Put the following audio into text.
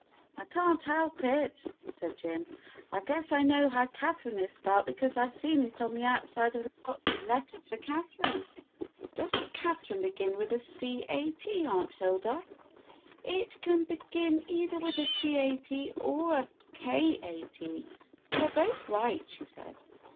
"I can't help it," said Jim. "I guess I know how Catherine is spelled, because I 've seen it on the out side of lots of letters for Catherine. Does n't Cather ine begin with a C a U Aunt Hilda .^" "It can begin either with a C a t or a K a t ; you are both right," she said.